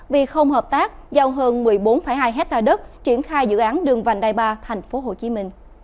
vì không hợp tác giao hơn một mươi bốn hai hectare đất triển khai dự án đường vành đai ba tp hcm